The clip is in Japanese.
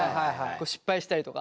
失敗したりとか。